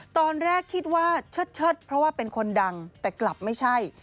ตอนแรกคิดว่าเชิดเพราะว่าเป็นคนดังแต่กลับไม่ใช่